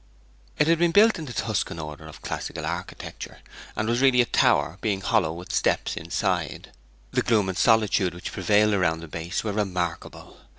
It had been built in the Tuscan order of classic architecture, and was really a tower, being hollow with steps inside. The gloom and solitude which prevailed round the base were remarkable.